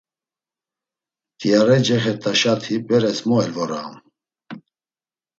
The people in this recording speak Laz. Mt̆iare cexert̆aşati beres mo elvoraam.